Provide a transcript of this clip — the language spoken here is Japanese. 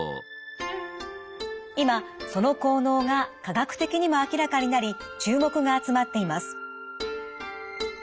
今その効能が科学的にも明らかになり注目が集まっています。